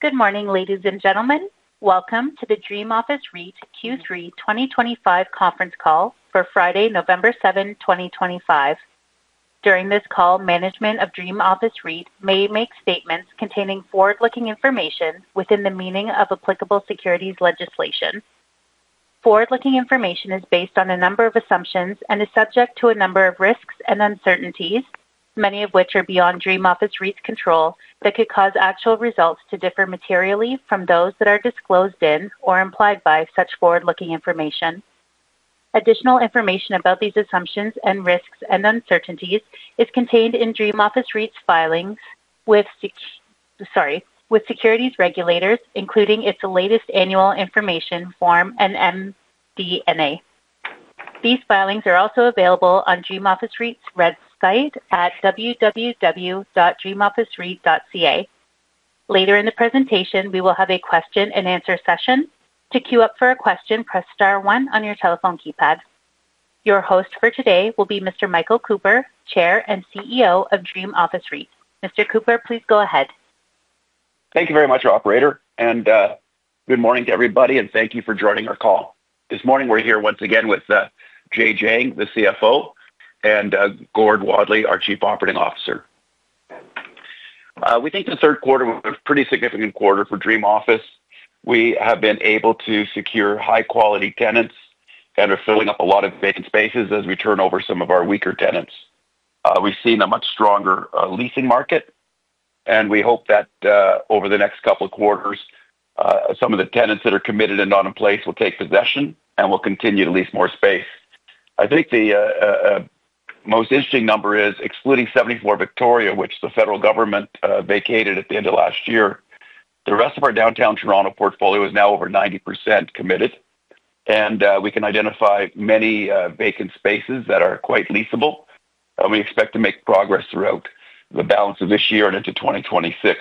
Good morning, ladies and gentlemen. Welcome to the Dream Office REIT Q3 2025 conference call for Friday, November 7, 2025. During this call, management of Dream Office REIT may make statements containing forward-looking information within the meaning of applicable securities legislation. Forward-looking information is based on a number of assumptions and is subject to a number of risks and uncertainties, many of which are beyond Dream Office REIT's control but could cause actual results to differ materially from those that are disclosed in or implied by such forward-looking information. Additional information about these assumptions and risks and uncertainties is contained in Dream Office REIT's filings with securities regulators, including its latest annual information form and MD&A. These filings are also available on Dream Office REIT's SEDAR site at www.dreamofficereit.ca. Later in the presentation, we will have a question-and-answer session. To queue up for a question, press star one on your telephone keypad. Your host for today will be Mr. Michael Cooper, Chair and CEO of Dream Office REIT. Mr. Cooper, please go ahead. Thank you very much, your operator. Good morning to everybody, and thank you for joining our call. This morning, we're here once again with Jay Jiang, the CFO, and Gordon Wadley, our Chief Operating Officer. We think the third quarter was a pretty significant quarter for Dream Office. We have been able to secure high-quality tenants and are filling up a lot of vacant spaces as we turn over some of our weaker tenants. We've seen a much stronger leasing market, and we hope that over the next couple of quarters, some of the tenants that are committed and not in place will take possession and will continue to lease more space. I think the most interesting number is, excluding 74 Victoria, which the federal government vacated at the end of last year, the rest of our downtown Toronto portfolio is now over 90% committed. We can identify many vacant spaces that are quite leasable, and we expect to make progress throughout the balance of this year and into 2026.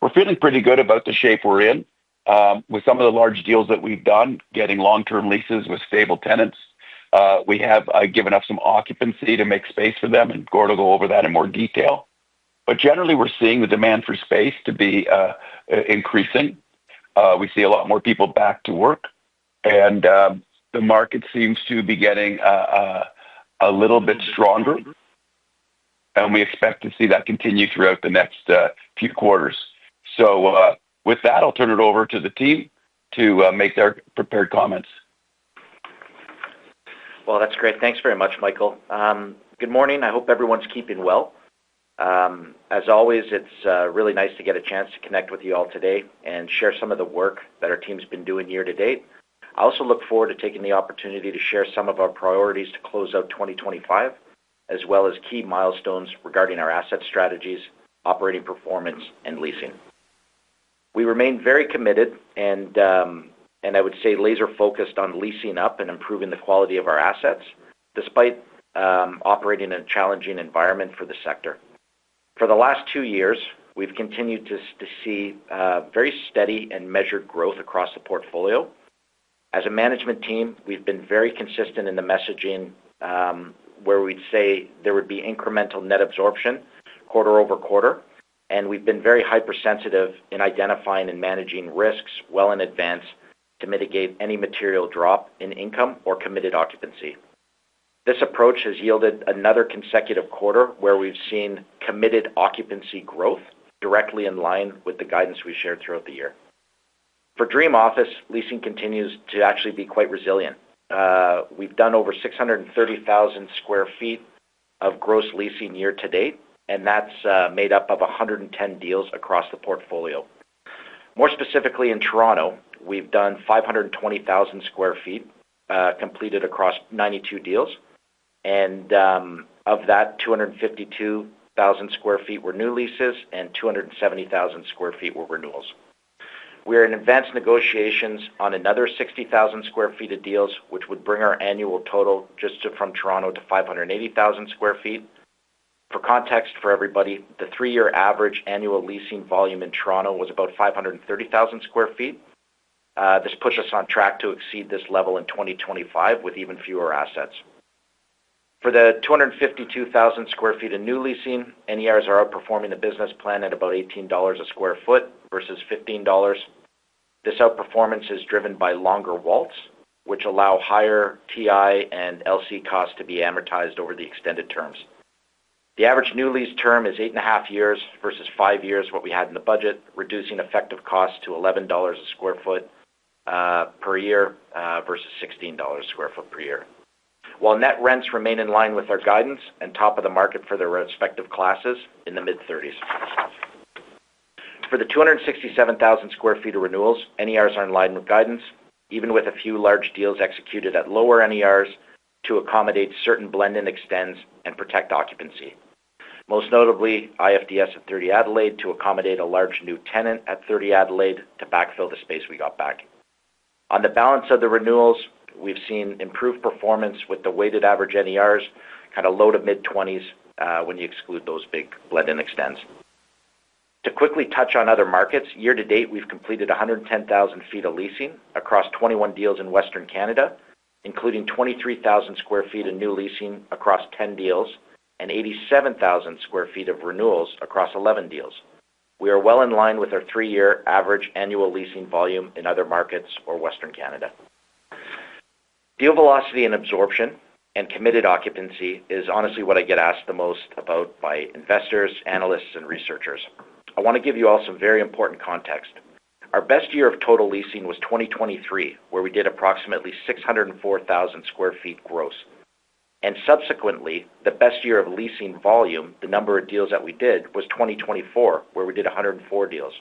We're feeling pretty good about the shape we're in. With some of the large deals that we've done, getting long-term leases with stable tenants, we have given up some occupancy to make space for them, and Gordon will go over that in more detail. Generally, we're seeing the demand for space to be increasing. We see a lot more people back to work, and the market seems to be getting a little bit stronger, and we expect to see that continue throughout the next few quarters. With that, I'll turn it over to the team to make their prepared comments. That's great. Thanks very much, Michael. Good morning. I hope everyone's keeping well. As always, it's really nice to get a chance to connect with you all today and share some of the work that our team's been doing year to date. I also look forward to taking the opportunity to share some of our priorities to close out 2025, as well as key milestones regarding our asset strategies, operating performance, and leasing. We remain very committed, and I would say laser-focused on leasing up and improving the quality of our assets, despite operating in a challenging environment for the sector. For the last two years, we've continued to see very steady and measured growth across the portfolio. As a management team, we've been very consistent in the messaging where we'd say there would be incremental net absorption quarter-over-quarter, and we've been very hypersensitive in identifying and managing risks well in advance to mitigate any material drop in income or committed occupancy. This approach has yielded another consecutive quarter where we've seen committed occupancy growth directly in line with the guidance we shared throughout the year. For Dream Office, leasing continues to actually be quite resilient. We've done over 630,000 sq ft of gross leasing year to date, and that's made up of 110 deals across the portfolio. More specifically, in Toronto, we've done 520,000 sq ft completed across 92 deals, and of that, 252,000 sq ft were new leases and 270,000 sq ft were renewals. We are in advanced negotiations on another 60,000 sq ft of deals, which would bring our annual total just from Toronto to 580,000 sq ft. For context for everybody, the three-year average annual leasing volume in Toronto was about 530,000 sq ft. This puts us on track to exceed this level in 2025 with even fewer assets. For the 252,000 sq ft of new leasing, NERs are outperforming the business plan at about $18 a sq ft versus $15. This outperformance is driven by longer WALTs, which allow higher TI and LC costs to be amortized over the extended terms. The average new lease term is eight and a half years versus five years, what we had in the budget, reducing effective costs to $11 a sq ft per year versus $16 a sq ft per year. While net rents remain in line with our guidance and top of the market for their respective classes in the mid-30s. For the 267,000 sq ft of renewals, NERs are in line with guidance, even with a few large deals executed at lower NERs to accommodate certain blend and extends and protect occupancy. Most notably, IFDS at 30 Adelaide to accommodate a large new tenant at 30 Adelaide to backfill the space we got back. On the balance of the renewals, we've seen improved performance with the weighted average NERs, kind of low to mid-20s when you exclude those big blend and extends. To quickly touch on other markets, year to date, we've completed 110,000 sq ft of leasing across 21 deals in Western Canada, including 23,000 sq ft of new leasing across 10 deals and 87,000 sq ft of renewals across 11 deals. We are well in line with our three-year average annual leasing volume in other markets or Western Canada. Deal velocity and absorption and committed occupancy is honestly what I get asked the most about by investors, analysts, and researchers. I want to give you all some very important context. Our best year of total leasing was 2023, where we did approximately 604,000 sq ft gross. Subsequently, the best year of leasing volume, the number of deals that we did, was 2024, where we did 104 deals.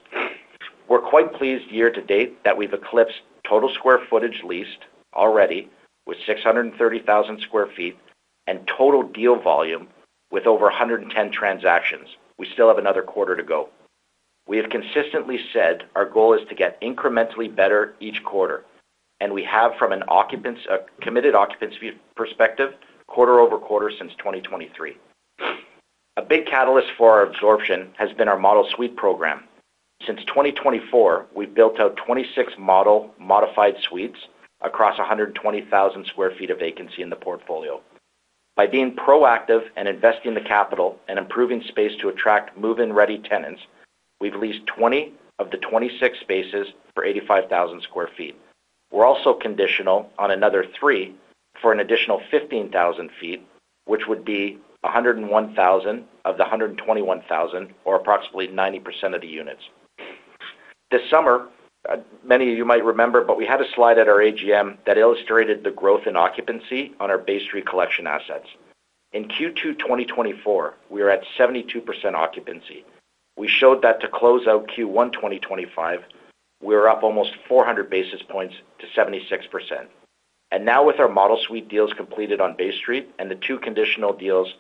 We're quite pleased year to date that we've eclipsed total square footage leased already with 630,000 sq ft and total deal volume with over 110 transactions. We still have another quarter to go. We have consistently said our goal is to get incrementally better each quarter, and we have from a committed occupancy perspective, quarter-over-quarter since 2023. A big catalyst for our absorption has been our model suite program. Since 2024, we've built out 26 model modified suites across 120,000 sq ft of vacancy in the portfolio. By being proactive and investing the capital and improving space to attract move-in ready tenants, we've leased 20 of the 26 spaces for 85,000 sq ft. We're also conditional on another three for an additional 15,000 sq ft, which would be 101,000 of the 121,000, or approximately 90% of the units. This summer, many of you might remember, but we had a slide at our AGM that illustrated the growth in occupancy on our base recollection assets. In Q2 2024, we were at 72% occupancy. We showed that to close out Q1 2025, we were up almost 400 basis points to 76%. Now, with our model suite deals completed on Bay Street and the two conditional deals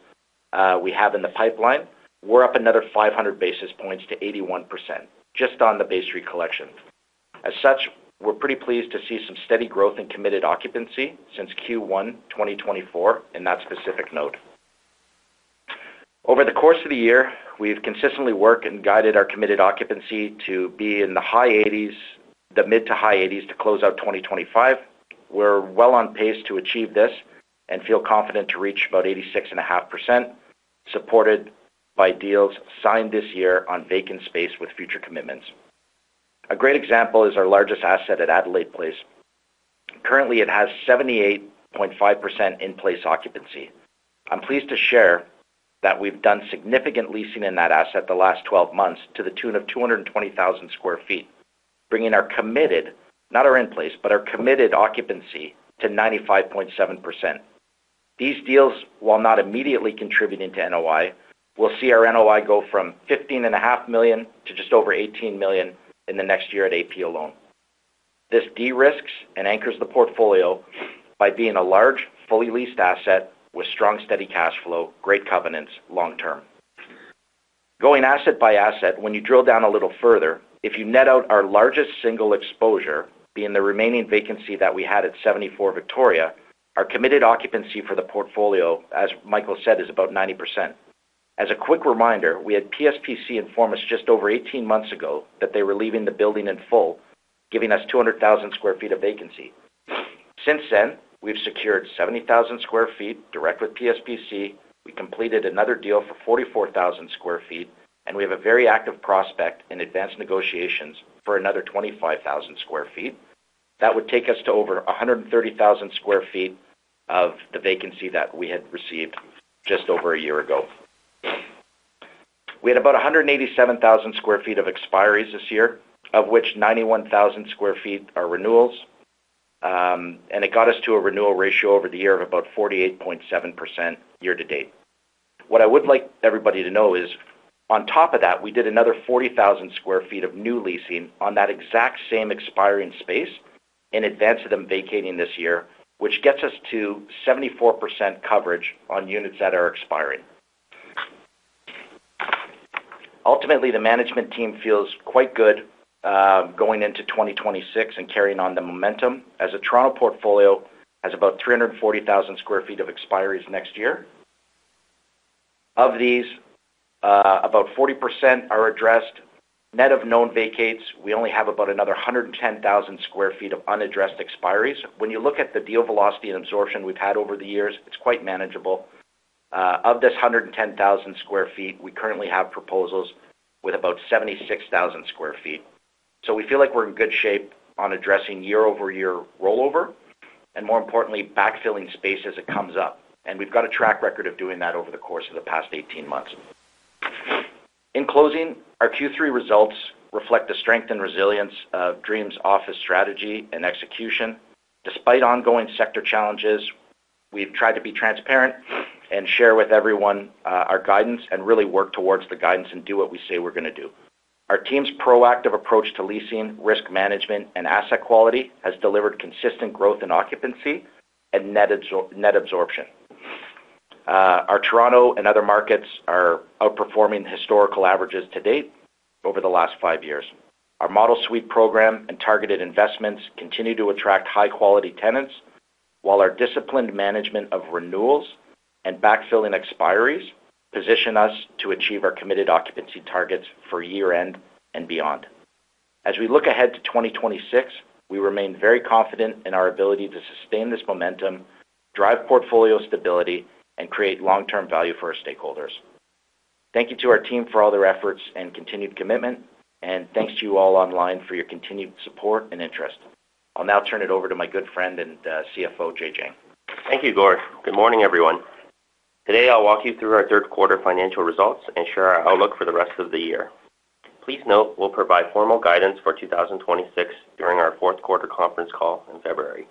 we have in the pipeline, we're up another 500 basis points to 81% just on the base recollection. As such, we're pretty pleased to see some steady growth in committed occupancy since Q1 2024 in that specific note. Over the course of the year, we've consistently worked and guided our committed occupancy to be in the high 80s, the mid to high 80s to close out 2025. We're well on pace to achieve this and feel confident to reach about 86.5%, supported by deals signed this year on vacant space with future commitments. A great example is our largest asset at Adelaide Place. Currently, it has 78.5% in-place occupancy. I'm pleased to share that we've done significant leasing in that asset the last 12 months to the tune of 220,000 sq ft, bringing our committed, not our in-place, but our committed occupancy to 95.7%. These deals, while not immediately contributing to NOI, will see our NOI go from $15.5 million to just over $18 million in the next year at AP alone. This de-risks and anchors the portfolio by being a large, fully leased asset with strong, steady cash flow, great covenants long term. Going asset by asset, when you drill down a little further, if you net out our largest single exposure, being the remaining vacancy that we had at 74 Victoria, our committed occupancy for the portfolio, as Michael said, is about 90%. As a quick reminder, we had PSPC inform us just over 18 months ago that they were leaving the building in full, giving us 200,000 sq ft of vacancy. Since then, we've secured 70,000 sq ft direct with PSPC. We completed another deal for 44,000 sq ft, and we have a very active prospect in advanced negotiations for another 25,000 sq ft. That would take us to over 130,000 sq ft of the vacancy that we had received just over a year ago. We had about 187,000 sq ft of expiries this year, of which 91,000 sq ft are renewals, and it got us to a renewal ratio over the year of about 48.7% year to date. What I would like everybody to know is, on top of that, we did another 40,000 sq ft of new leasing on that exact same expiring space in advance of them vacating this year, which gets us to 74% coverage on units that are expiring. Ultimately, the management team feels quite good going into 2026 and carrying on the momentum, as a Toronto portfolio has about 340,000 sq ft of expiries next year. Of these, about 40% are addressed. Net of known vacates, we only have about another 110,000 sq ft of unaddressed expiries. When you look at the deal velocity and absorption we've had over the years, it's quite manageable. Of this 110,000 sq ft, we currently have proposals with about 76,000 sq ft. So we feel like we're in good shape on addressing year-over-year rollover and, more importantly, backfilling space as it comes up. We have got a track record of doing that over the course of the past 18 months. In closing, our Q3 results reflect the strength and resilience of Dream's office strategy and execution. Despite ongoing sector challenges, we have tried to be transparent and share with everyone our guidance and really work towards the guidance and do what we say we are going to do. Our team's proactive approach to leasing, risk management, and asset quality has delivered consistent growth in occupancy and net absorption. Our Toronto and other markets are outperforming historical averages to date over the last five years. Our model suite program and targeted investments continue to attract high-quality tenants, while our disciplined management of renewals and backfilling expiries position us to achieve our committed occupancy targets for year-end and beyond. As we look ahead to 2026, we remain very confident in our ability to sustain this momentum, drive portfolio stability, and create long-term value for our stakeholders. Thank you to our team for all their efforts and continued commitment, and thanks to you all online for your continued support and interest. I'll now turn it over to my good friend and CFO, J.J. Thank you, Gordon. Good morning, everyone. Today, I'll walk you through our third quarter financial results and share our outlook for the rest of the year. Please note we'll provide formal guidance for 2026 during our fourth quarter conference call in February.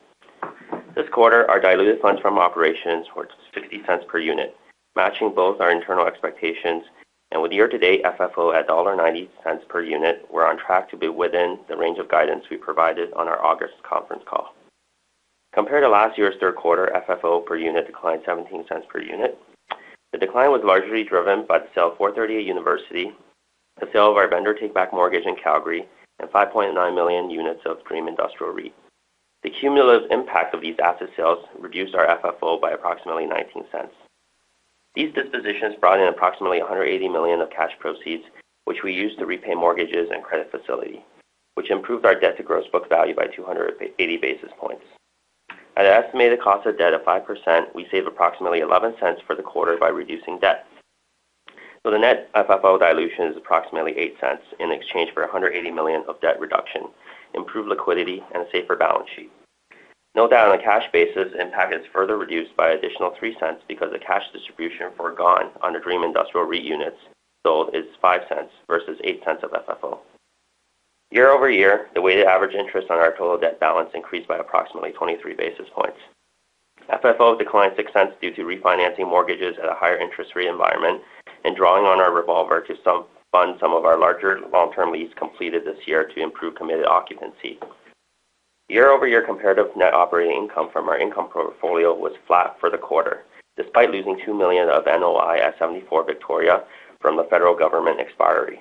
This quarter, our diluted funds from operations were $0.60 per unit, matching both our internal expectations. With year-to-date FFO at $1.90 per unit, we're on track to be within the range of guidance we provided on our August conference call. Compared to last year's third quarter, FFO per unit declined $0.17 per unit. The decline was largely driven by the sale of 438 University, the sale of our vendor take-back mortgage in Calgary, and 5.9 million units of Dream Industrial REIT. The cumulative impact of these asset sales reduced our FFO by approximately $0.19. These dispositions brought in approximately $180 million of cash proceeds, which we used to repay mortgages and credit facility, which improved our debt-to-gross book value by 280 basis points. At an estimated cost of debt of 5%, we save approximately $0.11 for the quarter by reducing debt. The net FFO dilution is approximately $0.08 in exchange for $180 million of debt reduction, improved liquidity, and a safer balance sheet. No doubt on the cash basis, impact is further reduced by an additional $0.03 because the cash distribution forgone on Dream Industrial REIT units sold is $0.05 versus $0.08 of FFO. Year-over-year, the weighted average interest on our total debt balance increased by approximately 23 basis points. FFO declined $0.06 due to refinancing mortgages at a higher interest rate environment and drawing on our revolver to fund some of our larger long-term lease completed this year to improve committed occupancy. Year-over-year comparative net operating income from our income portfolio was flat for the quarter, despite losing $2 million of NOI at 74 Victoria from the federal government expiry.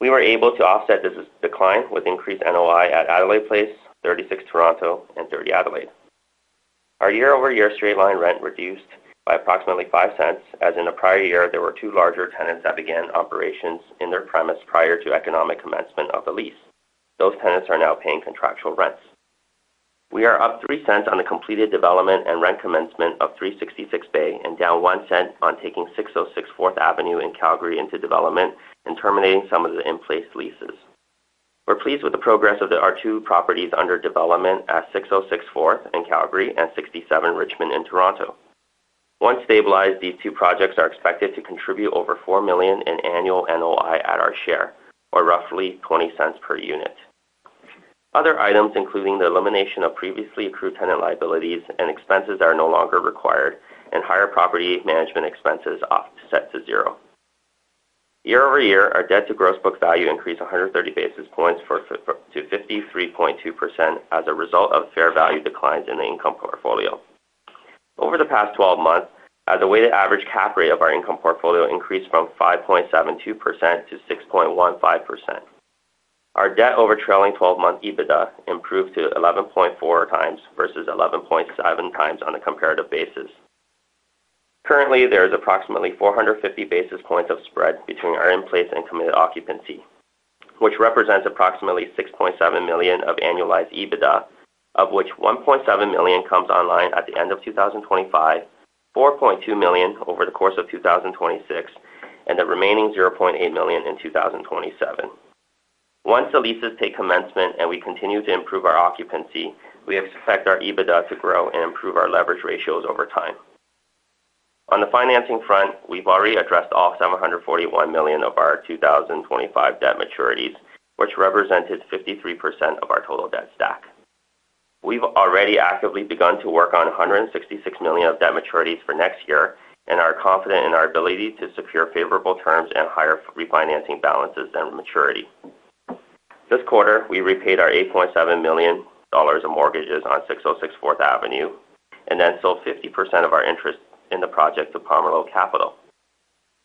We were able to offset this decline with increased NOI at Adelaide Place, 36 Toronto, and 30 Adelaide. Our year-over-year straight-line rent reduced by approximately $0.05, as in the prior year, there were two larger tenants that began operations in their premise prior to economic commencement of the lease. Those tenants are now paying contractual rents. We are up $0.03 on the completed development and rent commencement of 366 Bay and down $0.01 on taking 606 Fourth Avenue in Calgary into development and terminating some of the in-place leases. We are pleased with the progress of the R2 properties under development at 606 Fourth in Calgary and 67 Richmond in Toronto. Once stabilized, these two projects are expected to contribute over $4 million in annual NOI at our share, or roughly $0.20 per unit. Other items, including the elimination of previously accrued tenant liabilities and expenses, are no longer required, and higher property management expenses are offset to zero. Year-over-year, our debt-to-gross book value increased 130 basis points to 53.2% as a result of fair value declines in the income portfolio. Over the past 12 months, as the weighted average cap rate of our income portfolio increased from 5.72%-6.15%, our debt over trailing 12-month EBITDA improved to 11.4 times versus 11.7 times on a comparative basis. Currently, there is approximately 450 basis points of spread between our in-place and committed occupancy, which represents approximately $6.7 million of annualized EBITDA, of which $1.7 million comes online at the end of 2025, $4.2 million over the course of 2026, and the remaining $0.8 million in 2027. Once the leases take commencement and we continue to improve our occupancy, we expect our EBITDA to grow and improve our leverage ratios over time. On the financing front, we've already addressed all $741 million of our 2025 debt maturities, which represented 53% of our total debt stack. We've already actively begun to work on $166 million of debt maturities for next year and are confident in our ability to secure favorable terms and higher refinancing balances and maturity. This quarter, we repaid our $8.7 million of mortgages on 606 Fourth Avenue and then sold 50% of our interest in the project to Palmer Lowe Capital.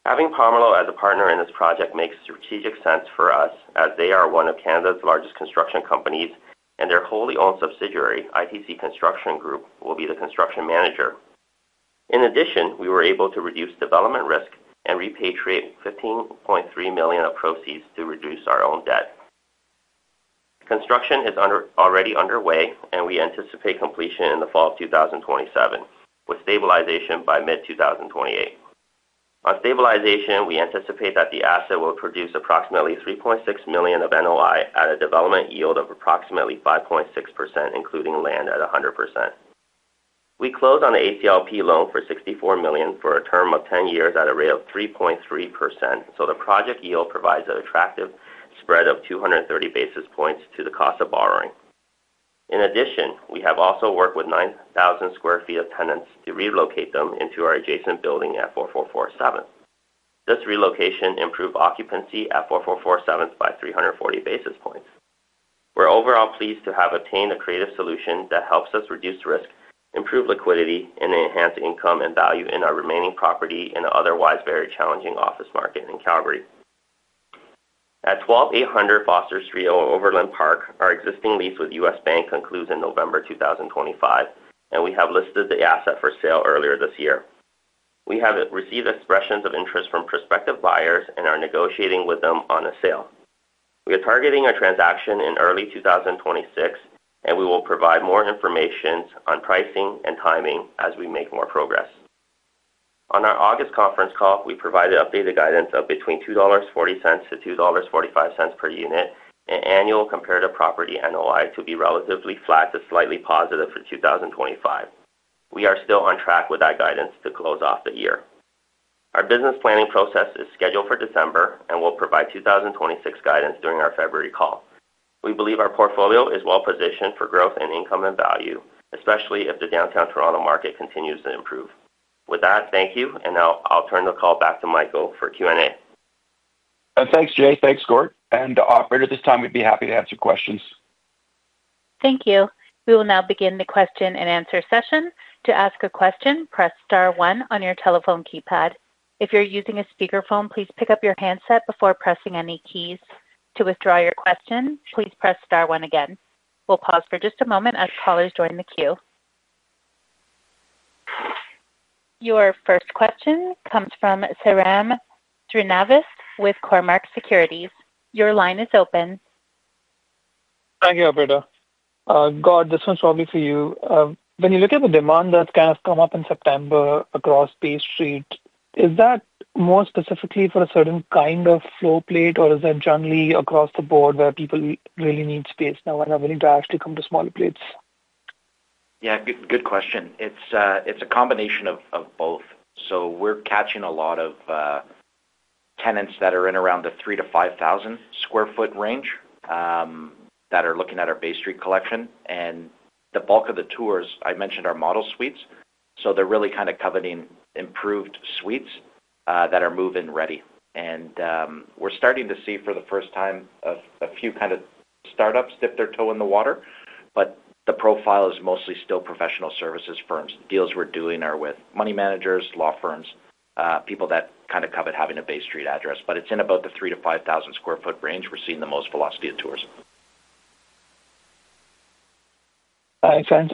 Having Palmer Lowe as a partner in this project makes strategic sense for us, as they are one of Canada's largest construction companies, and their wholly owned subsidiary, ITC Construction Group, will be the construction manager. In addition, we were able to reduce development risk and repatriate $15.3 million of proceeds to reduce our own debt. Construction is already underway, and we anticipate completion in the fall of 2027, with stabilization by mid-2028. On stabilization, we anticipate that the asset will produce approximately $3.6 million of NOI at a development yield of approximately 5.6%, including land at 100%. We closed on an ACLP loan for $64 million for a term of 10 years at a rate of 3.3%, so the project yield provides an attractive spread of 230 basis points to the cost of borrowing. In addition, we have also worked with 9,000 sq ft of tenants to relocate them into our adjacent building at 4447. This relocation improved occupancy at 4447 by 340 basis points. We're overall pleased to have obtained a creative solution that helps us reduce risk, improve liquidity, and enhance income and value in our remaining property in an otherwise very challenging office market in Calgary. At 12800 Foster Street, Overland Park, our existing lease with U.S. Bank concludes in November 2025, and we have listed the asset for sale earlier this year. We have received expressions of interest from prospective buyers and are negotiating with them on a sale. We are targeting a transaction in early 2026, and we will provide more information on pricing and timing as we make more progress. On our August conference call, we provided updated guidance of between $2.40-$2.45 per unit and annual comparative property NOI to be relatively flat to slightly positive for 2025. We are still on track with that guidance to close off the year. Our business planning process is scheduled for December and will provide 2026 guidance during our February call. We believe our portfolio is well-positioned for growth in income and value, especially if the downtown Toronto market continues to improve. With that, thank you, and now I'll turn the call back to Michael for Q&A. Thanks, Jay. Thanks, Gordon. To operator this time, we'd be happy to answer questions. Thank you. We will now begin the question and answer session. To ask a question, press star one on your telephone keypad. If you're using a speakerphone, please pick up your handset before pressing any keys. To withdraw your question, please press star one again. We'll pause for just a moment as callers join the queue. Your first question comes from Sairam Srinivas with Cormark Securities. Your line is open. Thank you, Operator. Gordon, this one's probably for you. When you look at the demand that has kind of come up in September across Bay Street, is that more specifically for a certain kind of floor plate, or is that generally across the board where people really need space now and are willing to actually come to smaller plates? Yeah, good question. It is a combination of both. We are catching a lot of tenants that are in around the 3,000-5,000 sq ft range that are looking at our Bay Street collection. The bulk of the tours I mentioned are model suites, so they are really kind of coveting improved suites that are move-in ready. We are starting to see for the first time a few kind of startups dip their toe in the water, but the profile is mostly still professional services firms. The deals we're doing are with money managers, law firms, people that kind of covet having a Bay Street address. It's in about the 3,000-5,000 sq ft range we're seeing the most velocity of tours. That makes sense.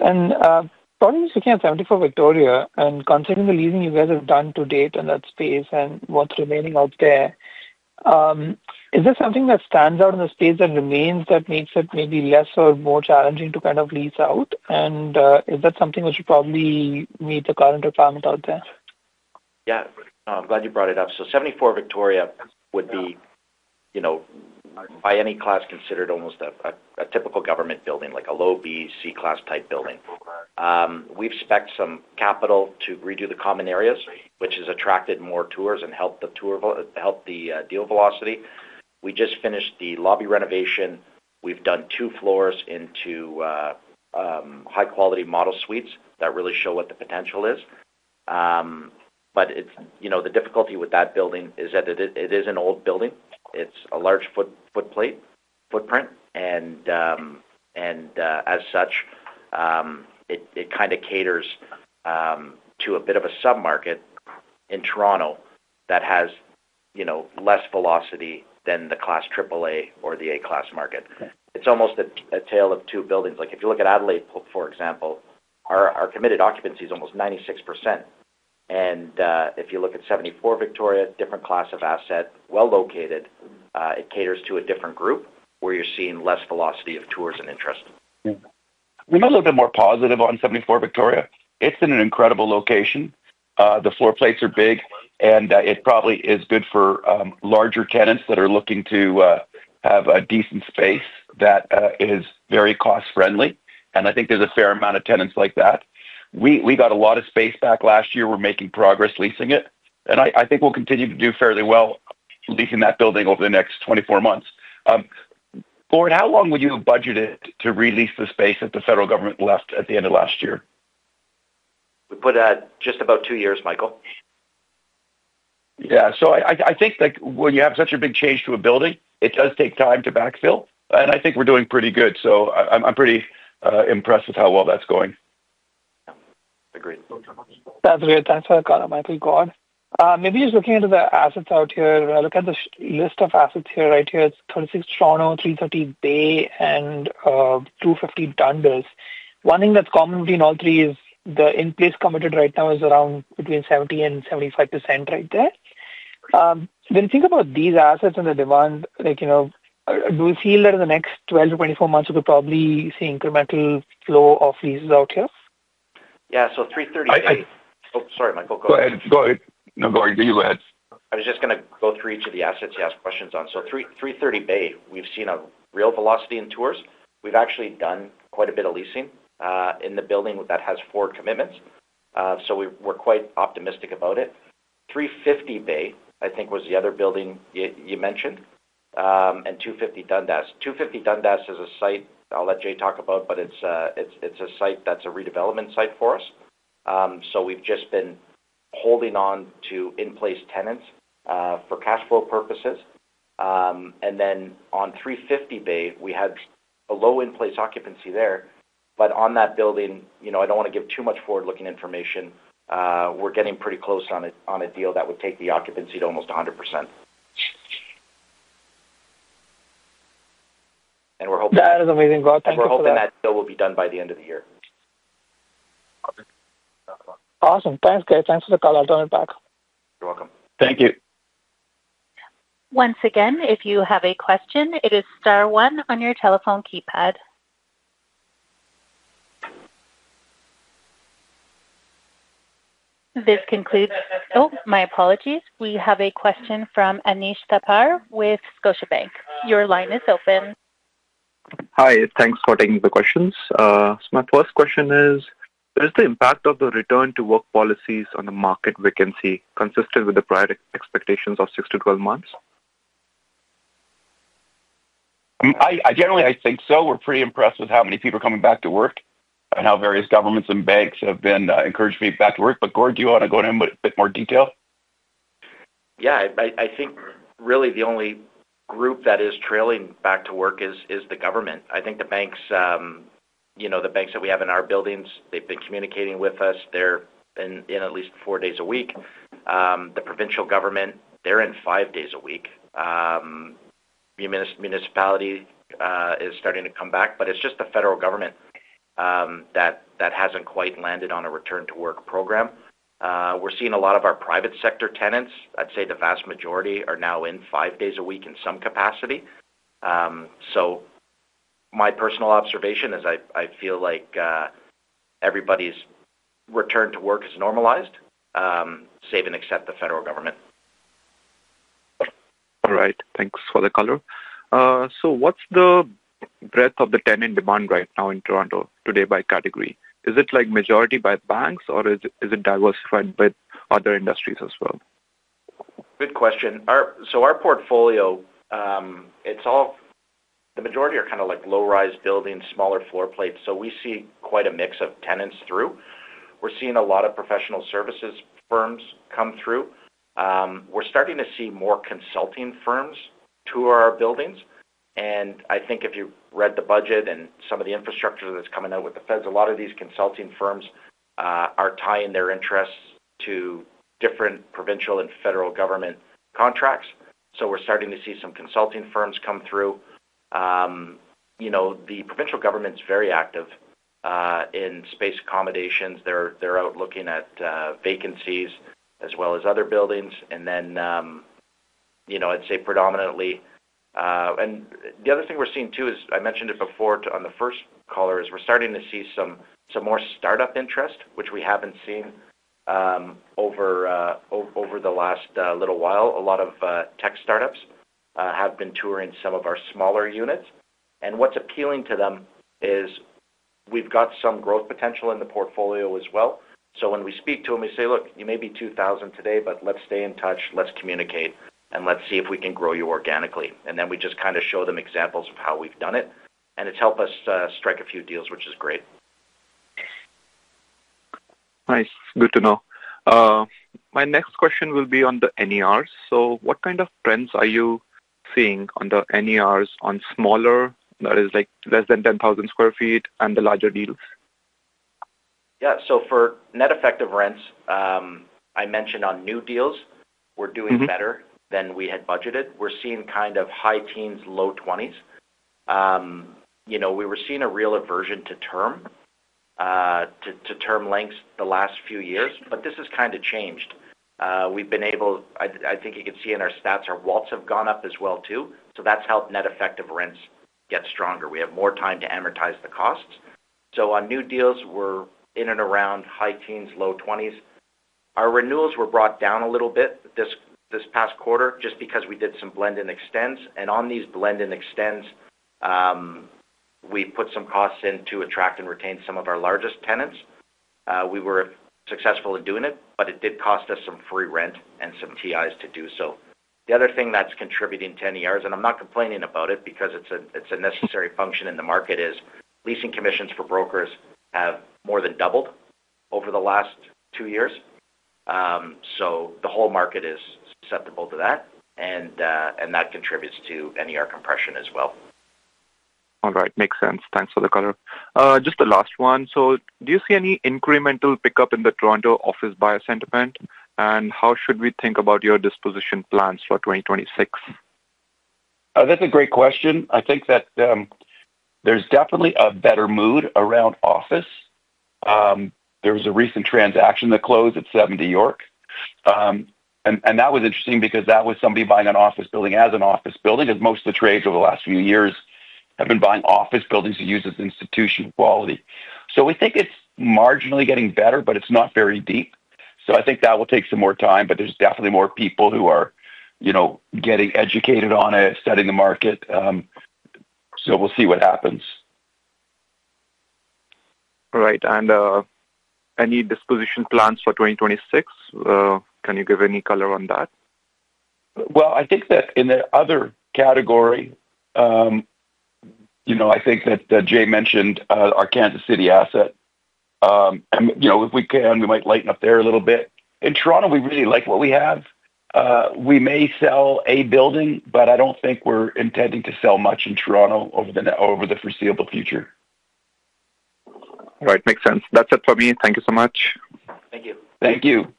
Probably speaking of 74 Victoria and considering the leasing you guys have done to date on that space and what's remaining out there, is there something that stands out in the space that remains that makes it maybe less or more challenging to kind of lease out? Is that something which would probably meet the current requirement out there? Yeah, I'm glad you brought it up. 74 Victoria would be, by any class, considered almost a typical government building, like a low B, C-class type building. We've spent some capital to redo the common areas, which has attracted more tours and helped the deal velocity. We just finished the lobby renovation. We've done two floors into high-quality model suites that really show what the potential is. The difficulty with that building is that it is an old building. It's a large footplate, footprint, and as such, it kind of caters to a bit of a submarket in Toronto that has less velocity than the class AAA or the A-class market. It's almost a tale of two buildings. If you look at Adelaide, for example, our committed occupancy is almost 96%. If you look at 74 Victoria, different class of asset, well located, it caters to a different group where you're seeing less velocity of tours and interest. We might look a bit more positive on 74 Victoria. It's in an incredible location. The floor plates are big, and it probably is good for larger tenants that are looking to have a decent space that is very cost-friendly. I think there's a fair amount of tenants like that. We got a lot of space back last year. We're making progress leasing it. I think we'll continue to do fairly well leasing that building over the next 24 months. Gordon, how long would you have budgeted to release the space if the federal government left at the end of last year? We put out just about two years, Michael. Yeah. I think when you have such a big change to a building, it does take time to backfill. I think we're doing pretty good. I'm pretty impressed with how well that's going. Agreed. That's a great thanks for that, Michael. Gordon. Maybe just looking into the assets out here, look at the list of assets here right here. It's 36 Toronto, 330 Bay, and 250 Dundas. One thing that's common between all three is the in-place committed right now is around between 70%-75% right there. When you think about these assets and the demand, do we feel that in the next 12-24 months, we could probably see incremental flow of leases out here? Yeah. 330 Bay. Oh, sorry, Michael. Go ahead. Go ahead. No, Gordon, you go ahead. I was just going to go through each of the assets you asked questions on. 330 Bay, we've seen a real velocity in tours. We've actually done quite a bit of leasing in the building that has four commitments. We're quite optimistic about it. 350 Bay, I think, was the other building you mentioned, and 250 Dundas. 250 Dundas is a site I'll let Jay talk about, but it's a site that's a redevelopment site for us. We've just been holding on to in-place tenants for cash flow purposes. On 350 Bay, we had a low in-place occupancy there. On that building, I don't want to give too much forward-looking information. We're getting pretty close on a deal that would take the occupancy to almost 100%. We're hoping that. That is amazing. Gordon, thank you. We're hoping that deal will be done by the end of the year. Awesome. Thanks, guys. Thanks for the call. I'll turn it back. You're welcome. Thank you. Once again, if you have a question, it is star one on your telephone keypad. This concludes—oh, my apologies. We have a question from Anish Thapar with Scotiabank. Your line is open. Hi. Thanks for taking the questions. My first question is, is the impact of the return-to-work policies on the market vacancy consistent with the prior expectations of 6-12 months? Generally, I think so. We're pretty impressed with how many people are coming back to work and how various governments and banks have been encouraged to be back to work. Gordon, do you want to go into a bit more detail? Yeah. I think really the only group that is trailing back to work is the government. I think the banks that we have in our buildings, they've been communicating with us. They're in at least four days a week. The provincial government, they're in five days a week. Municipality is starting to come back, but it's just the federal government that hasn't quite landed on a return-to-work program. We're seeing a lot of our private sector tenants. I'd say the vast majority are now in five days a week in some capacity. My personal observation is I feel like everybody's return to work has normalized, save and except the federal government. All right. Thanks for the color. What's the breadth of the tenant demand right now in Toronto today by category? Is it majority by banks, or is it diversified with other industries as well? Good question. Our portfolio, the majority are kind of low-rise buildings, smaller floor plates. We see quite a mix of tenants through. We're seeing a lot of professional services firms come through. We're starting to see more consulting firms tour our buildings. I think if you read the budget and some of the infrastructure that's coming out with the feds, a lot of these consulting firms are tying their interests to different provincial and federal government contracts. We are starting to see some consulting firms come through. The provincial government's very active in space accommodations. They're out looking at vacancies as well as other buildings. I would say predominantly—the other thing we're seeing too is, I mentioned it before on the first caller, we are starting to see some more startup interest, which we have not seen over the last little while. A lot of tech startups have been touring some of our smaller units. What's appealing to them is we have some growth potential in the portfolio as well. When we speak to them, we say, "Look, you may be 2,000 today, but let's stay in touch. Let's communicate, and let's see if we can grow you organically." And then we just kind of show them examples of how we've done it. It's helped us strike a few deals, which is great. Nice. Good to know. My next question will be on the NERs. What kind of trends are you seeing on the NERs on smaller—that is, less than 10,000 sq ft—and the larger deals? Yeah. For net effective rents, I mentioned on new deals, we're doing better than we had budgeted. We're seeing kind of high teens, low twenties. We were seeing a real aversion to term lengths the last few years, but this has kind of changed. We've been able—I think you can see in our stats—our WALTs have gone up as well too. That's helped net effective rents get stronger. We have more time to amortize the costs. On new deals, we're in and around high teens, low twenties. Our renewals were brought down a little bit this past quarter just because we did some blend and extends. On these blend and extends, we put some costs in to attract and retain some of our largest tenants. We were successful in doing it, but it did cost us some free rent and some TIs to do so. The other thing that's contributing to NERs—and I'm not complaining about it because it's a necessary function in the market—is leasing commissions for brokers have more than doubled over the last two years. The whole market is susceptible to that, and that contributes to NER compression as well. All right. Makes sense. Thanks for the color. Just the last one. Do you see any incremental pickup in the Toronto office buyer sentiment? How should we think about your disposition plans for 2026? That's a great question. I think that there's definitely a better mood around office. There was a recent transaction that closed at 70 York. That was interesting because that was somebody buying an office building as an office building, as most of the trades over the last few years have been buying office buildings to use as institutional quality. We think it's marginally getting better, but it's not very deep. I think that will take some more time, but there's definitely more people who are getting educated on it, studying the market. We'll see what happens. All right. Any disposition plans for 2026? Can you give any color on that? I think that in the other category, I think that Jay mentioned our Kansas City asset. If we can, we might lighten up there a little bit. In Toronto, we really like what we have. We may sell a building, but I do not think we are intending to sell much in Toronto over the foreseeable future. All right. Makes sense. That is it for me. Thank you so much. Thank you. Thank you.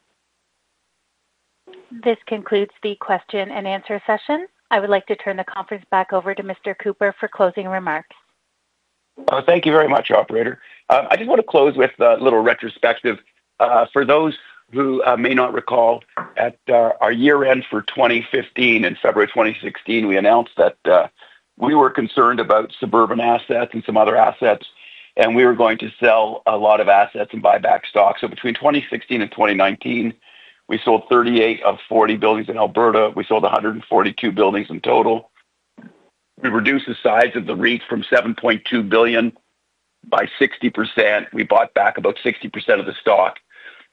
This concludes the question and answer session. I would like to turn the conference back over to Mr. Cooper for closing remarks. Thank you very much, Operator. I just want to close with a little retrospective. For those who may not recall, at our year-end for 2015, in February 2016, we announced that we were concerned about suburban assets and some other assets, and we were going to sell a lot of assets and buy back stocks. Between 2016 and 2019, we sold 38 of 40 buildings in Alberta. We sold 142 buildings in total. We reduced the size of the REIT from $7.2 billion by 60%. We bought back about 60% of the stock.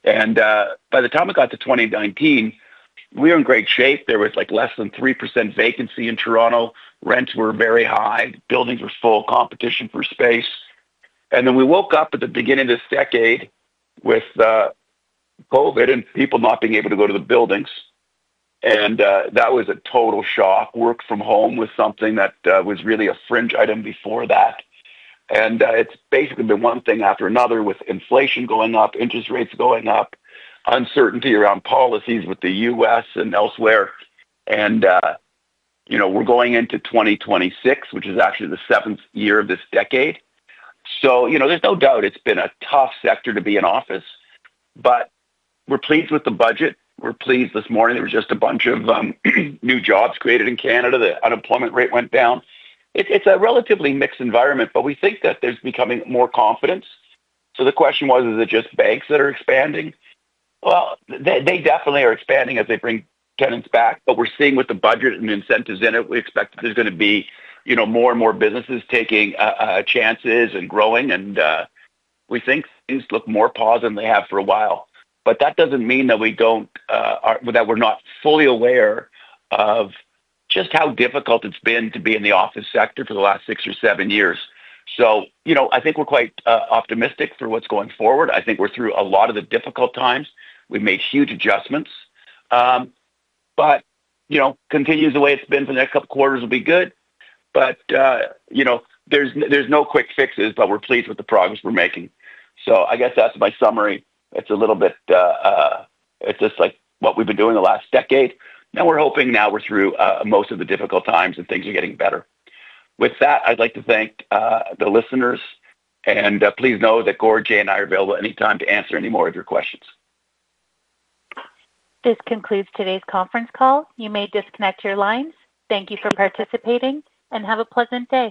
By the time we got to 2019, we were in great shape. There was less than 3% vacancy in Toronto. Rents were very high. Buildings were full, competition for space. We woke up at the beginning of this decade with COVID and people not being able to go to the buildings. That was a total shock. Work from home was something that was really a fringe item before that. It has basically been one thing after another with inflation going up, interest rates going up, uncertainty around policies with the U.S. and elsewhere. We are going into 2026, which is actually the seventh year of this decade. There is no doubt it has been a tough sector to be in office. We're pleased with the budget. We're pleased this morning there was just a bunch of new jobs created in Canada. The unemployment rate went down. It's a relatively mixed environment, but we think that there's becoming more confidence. The question was, is it just banks that are expanding? They definitely are expanding as they bring tenants back. We're seeing with the budget and the incentives in it, we expect that there's going to be more and more businesses taking chances and growing. We think things look more positive than they have for a while. That doesn't mean that we're not fully aware of just how difficult it's been to be in the office sector for the last six or seven years. I think we're quite optimistic for what's going forward. I think we're through a lot of the difficult times. We've made huge adjustments. It continues the way it's been for the next couple of quarters will be good. There's no quick fixes, but we're pleased with the progress we're making. I guess that's my summary. It's a little bit—it's just like what we've been doing the last decade. We're hoping now we're through most of the difficult times and things are getting better. With that, I'd like to thank the listeners. Please know that Gordon, Jay, and I are available anytime to answer any more of your questions. This concludes today's conference call. You may disconnect your lines. Thank you for participating, and have a pleasant day.